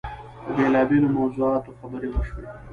په بېلابېلو موضوعاتو خبرې وشوې.